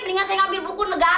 mendingan saya ngambil buku negara